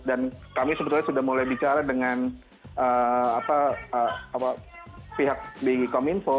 dan kami sebetulnya sudah mulai bicara dengan pihak bgkominfo